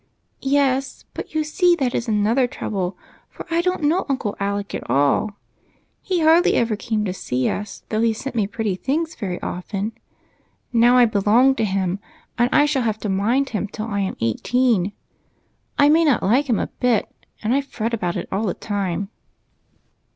" Yes, but you see that is another trouble, for I don't know Uncle Alec at all. He hardly ever came to see us, though he sent me pretty things very often. Now I belong to him, and shall have to mind him, till I am eighteen. I may not like him a bit, and I fret about it all the time."